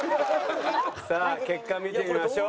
さあ結果見てみましょう。